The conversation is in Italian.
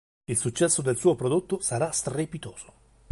Il successo del suo prodotto sarà strepitoso.